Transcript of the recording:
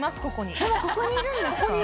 ここに今ここにいるんですか？